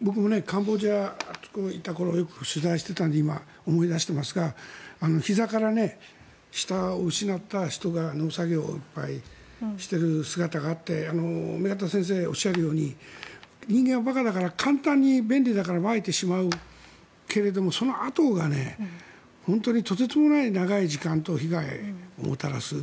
僕もカンボジアにいた頃よく取材をしていたので今思い出していますがひざから下を失った人が農作業をいっぱいしている姿があって目加田先生がおっしゃるように人間は馬鹿だから簡単に便利だから使ってしまうけどそのあとが本当にとてつもない長い時間と被害をもたらす。